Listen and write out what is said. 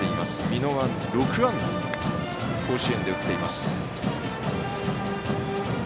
美濃は６安打甲子園で打っています。